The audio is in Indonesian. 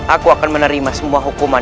aku akan menerima semua hukuman